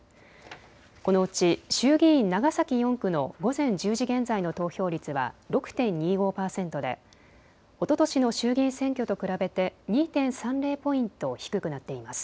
このうち衆議院長崎４区の午前１０時現在の投票率は６．２５％でおととしの衆議院選挙と比べて２．３０ポイント低くなっています。